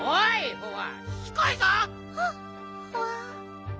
ホワ！